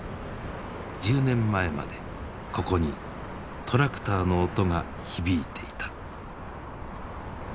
１０年前までここにトラクターの音が響いていた。